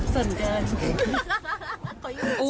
ส่วนเกิน